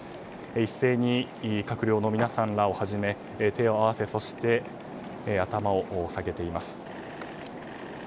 一斉に閣僚の皆さんらをはじめ手を合わせそして、頭を下げています。